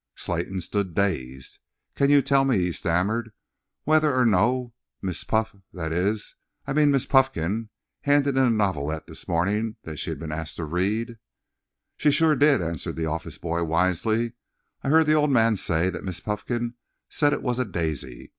Slayton stood, dazed. "Can you tell me," he stammered, "whether or no Miss Puff—that is my—I mean Miss Puffkin—handed in a novelette this morning that she had been asked to read?" "Sure she did," answered the office boy wisely. "I heard the old man say that Miss Puffkin said it was a daisy.